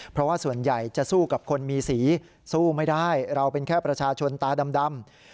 เพราะว่าส่วนใหญ่จะสู้กับคนมีสีสู้ไม่ได้เราเป็นแค่ประชาชนตาดำ